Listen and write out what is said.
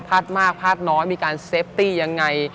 มากพาดน้อยมีการเซฟตี้ยังไง